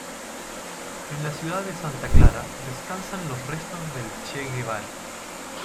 En la ciudad de Santa Clara descansan los restos del Che Guevara.